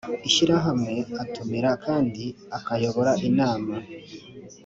ishyirahamwe atumira kandi akayobora inama